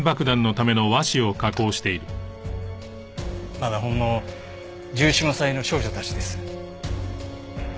まだほんの１４１５歳の少女たちです。